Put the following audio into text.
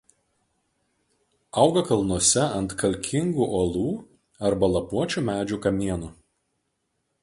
Auga kalnuose ant kalkingų uolų arba lapuočių medžių kamienų.